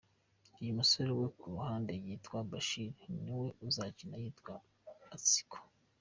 Uyu musore wo ku ruhande yitwa Bashir, niwe uzakina yitwa Matsiko.